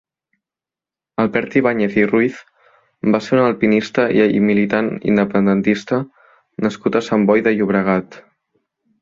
Albert Ibáñez i Ruiz va ser un alpinista i militant independentista nascut a Sant Boi de Llobregat.